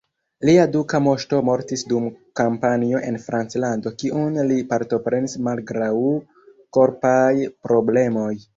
Lia duka moŝto mortis dum kampanjo en Franclando kiun li partoprenis malgraŭ korpaj problemoj.